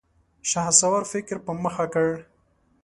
شهسوار فکر په مخه کړ.